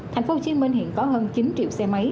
tp hcm hiện có hơn chín triệu xe máy